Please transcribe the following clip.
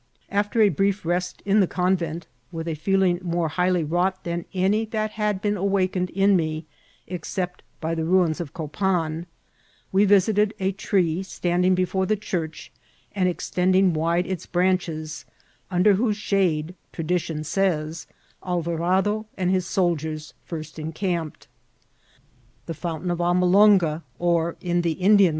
After a brief rest in the convent, with a feeling more highly wrought than any that had been awakened in me except by the ruins of Copan, we visited a tree standing before the church and extending wide its branches, under whose shade, tradition says, Alvarado and lus soldiers first en * camped ; the fountain of Ahnolonga, or, in the Indian Vol.